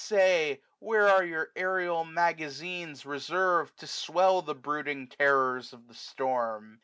say, Where your aerial magazines reservM, To swell the brooding terrors of the storm